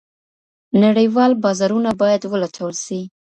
نړیوال بازارونه باید ولټول سي.